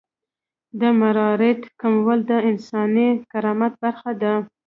د مرارت کمول د انساني کرامت برخه ده.